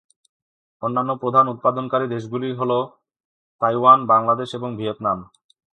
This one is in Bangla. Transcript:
অন্যান্য প্রধান উৎপাদনকারী দেশগুলি হল তাইওয়ান, বাংলাদেশ এবং ভিয়েতনাম।